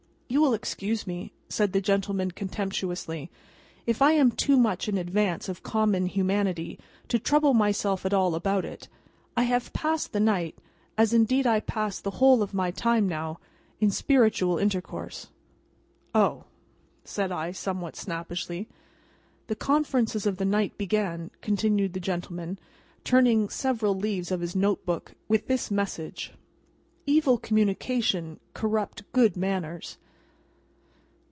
"You will excuse me," said the gentleman contemptuously, "if I am too much in advance of common humanity to trouble myself at all about it. I have passed the night—as indeed I pass the whole of my time now—in spiritual intercourse." "O!" said I, somewhat snappishly. "The conferences of the night began," continued the gentleman, turning several leaves of his note book, "with this message: 'Evil communications corrupt good manners.